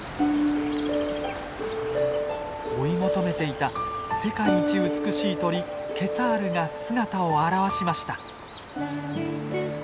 追い求めていた世界一美しい鳥ケツァールが姿を現しました。